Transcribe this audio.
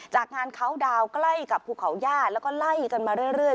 จากงานเขาดาวน์ใกล้กับภูเขาย่าแล้วก็ไล่กันมาเรื่อย